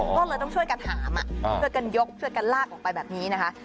ก็เลยต้องช่วยกันหามช่วยกันยกช่วยกันลากออกไปแบบนี้นะคะ